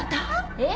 えっ？